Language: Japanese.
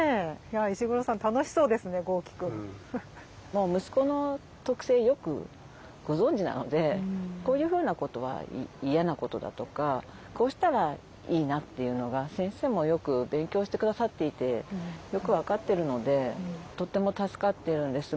もう息子の特性よくご存じなのでこういうふうなことは嫌なことだとかこうしたらいいなっていうのが先生もよく勉強して下さっていてよく分かってるのでとっても助かってるんです。